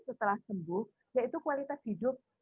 setelah sembuh yaitu kualitas hidup